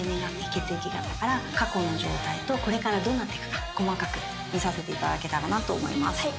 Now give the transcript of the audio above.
血液型から過去の状態とこれからどうなっていくか細かく見させていただけたらなと思います。